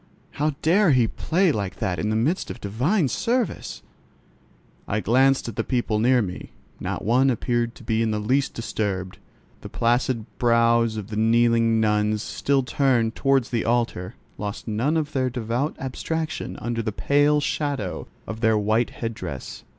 How dare he play like that in the midst of divine service? I glanced at the people near me: not one appeared to be in the least disturbed. The placid brows of the kneeling nuns, still turned towards the altar, lost none of their devout abstraction under the pale shadow of their white head dress.